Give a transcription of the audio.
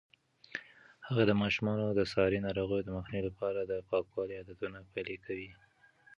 هغې د ماشومانو د ساري ناروغیو د مخنیوي لپاره د پاکوالي عادتونه پلي کوي.